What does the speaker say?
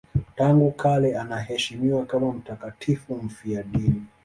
Tangu kale anaheshimiwa kama mtakatifu mfiadini.